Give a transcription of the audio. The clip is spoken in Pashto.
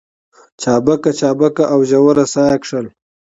چابکه چابکه او ژوره ساه يې کښل.